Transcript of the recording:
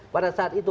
pada saat itu